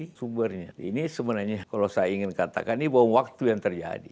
ini sumbernya ini sebenarnya kalau saya ingin katakan ini bahwa waktu yang terjadi